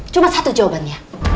cuma satu jawabannya